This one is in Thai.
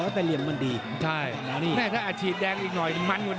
พี่ปากยุ้งอีกหน่อย